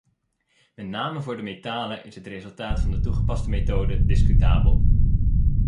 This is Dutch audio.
Met name voor de metalen is het resultaat van de toegepaste methode discutabel.